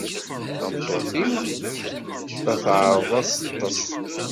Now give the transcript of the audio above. Tameṭṭut-iw la tɛerreḍ ad teṭṭes.